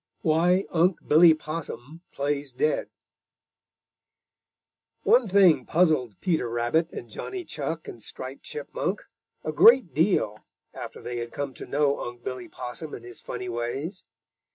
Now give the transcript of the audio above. III WHY UNC' BILLY POSSUM PLAYS DEAD One thing puzzled Peter Rabbit and Johnny Chuck and Striped Chipmunk a great deal after they had come to know Unc' Billy Possum and his funny ways.